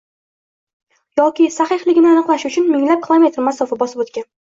yoki sahihligini aniqlash uchun minglab kilometr masofa bosib o‘tgan.